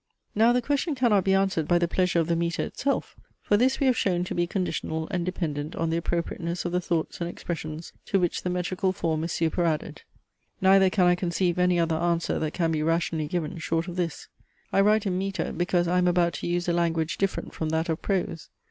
Now the question cannot be answered by the pleasure of the metre itself; for this we have shown to be conditional, and dependent on the appropriateness of the thoughts and expressions, to which the metrical form is superadded. Neither can I conceive any other answer that can be rationally given, short of this: I write in metre, because I am about to use a language different from that of prose.